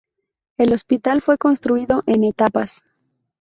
El hospital fue construido en etapas.